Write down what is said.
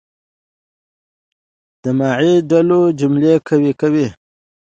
د ماضي ډولونه جمله قوي کوي.